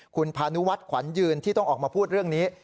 คุณพานุวัฒน์ขวัญยืนที่ต้องออกมาพูดเรื่องนี้